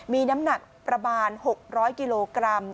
มีน้ำหนักประมาณ๖๐๐กิโลกรัม